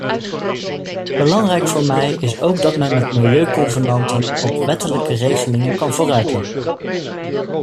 Belangrijk voor mij is ook dat men met milieuconvenanten op wettelijke regelingen kan vooruitlopen.